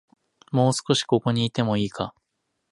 もう少し、ここにいてもいいか